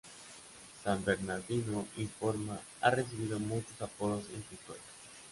San Bernardino informal ha recibido muchos apodos en su historia.